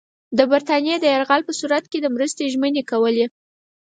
د برټانیې د یرغل په صورت کې د مرستو ژمنې کولې.